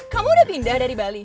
kamu udah pindah dari bali